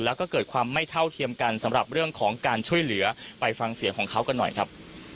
แล้วก็เกิดความไม่เท่าเทียมกันสำหรับเรื่องของการช่วยเหลือไปฟังเสียงของเขากันหน่อยครับ